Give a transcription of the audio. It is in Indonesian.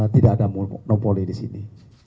tidak ada monopoli disini